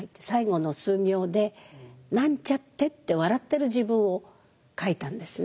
最後の数行で「なんちゃって」って笑ってる自分を書いたんですね。